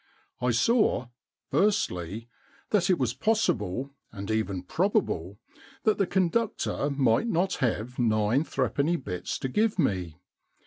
I saw, firstly, that it was possible and even probable that the conductor might not have nine three penny bits to give me.